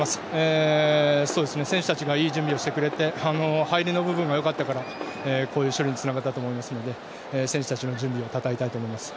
選手たちがいい準備をしてくれて入りの部分がよかったからこういう勝利につながったと思うので選手たちの準備をたたえたいと思います。